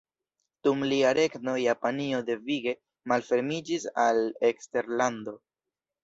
Dum lia regno Japanio devige malfermiĝis al eksterlando.